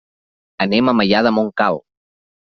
Anem a Maià de Montcal.